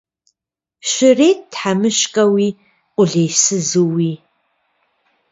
Щрет тхьэмыщкӏэуи, къулейсызууи.